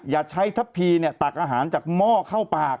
อย่าใช้ทัพพีตักอาหารจากหม้อเข้าปาก